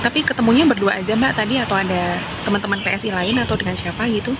tapi ketemunya berdua aja mbak tadi atau ada teman teman psi lain atau dengan siapa gitu